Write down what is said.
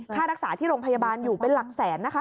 ค่ารักษาที่โรงพยาบาลอยู่เป็นหลักแสนนะคะ